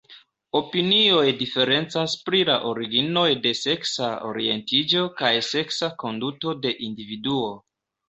Opinioj diferencas pri la originoj de seksa orientiĝo kaj seksa konduto de individuo.